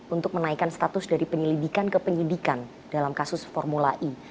untuk menaikkan status dari penyelidikan ke penyidikan dalam kasus formula e